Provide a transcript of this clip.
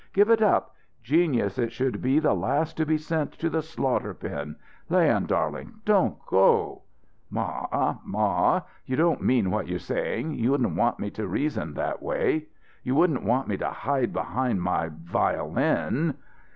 Give it up. Genius it should be the last to be sent to the slaughter pen. Leon darlink don't go!" "Ma, ma you don't mean what you're saying. You wouldn't want me to reason that way. You wouldn't want me to hide behind my violin."